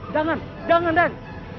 jangan jangan den